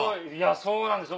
そうなんですよ